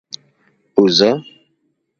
اوزه؟